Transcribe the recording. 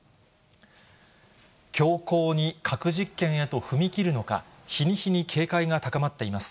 強硬に核実験へと踏み切るのか、日に日に警戒が高まっています。